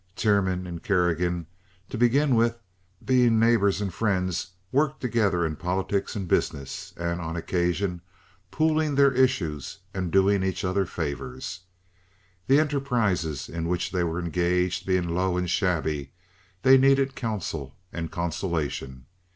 Tiernan and Kerrigan, to begin with, being neighbors and friends, worked together in politics and business, on occasions pooling their issues and doing each other favors. The enterprises in which they were engaged being low and shabby, they needed counsel and consolation.